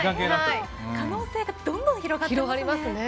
可能性がどんどん広がっていきますね。